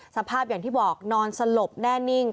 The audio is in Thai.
สภาพอย่างที่บอกนอนสลบแน่นิ่ง